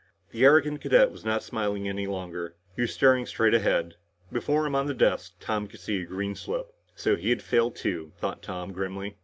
The arrogant cadet was not smiling any longer. He was staring straight ahead. Before him on the desk, Tom could see a green slip. So he had failed too, thought Tom grimly.